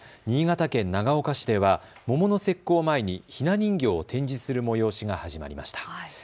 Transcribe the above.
新潟県長岡市では桃の節句を前にひな人形を展示する催しが始まりました。